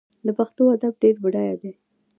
د پښتو ادب ډېر بډایه دی.